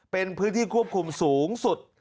เป็นพื้นที่ควบคุมสูงสุด